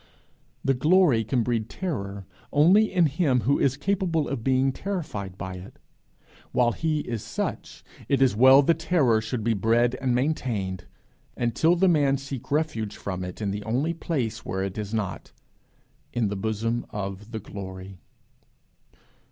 The glory can breed terror only in him who is capable of being terrified by it; while he is such it is well the terror should be bred and maintained, until the man seek refuge from it in the only place where it is not in the bosom of the glory.